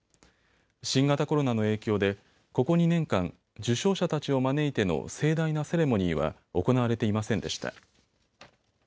新型コロナの影響でここ２年間、受賞者たちを招いての盛大なセレモニーは行われていませんでした。